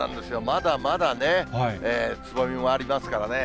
まだまだね、つぼみもありますからね。